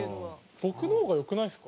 僕の方が良くないですか？